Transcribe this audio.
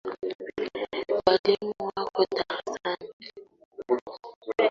Walimu wako darasani.